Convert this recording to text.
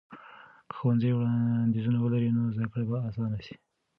که ښوونځي وړاندیزونه ولري، نو زده کړه به لا ښه سي.